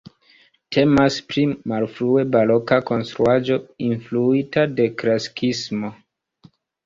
Temas pri malfrue baroka konstruaĵo influita de klasikismo.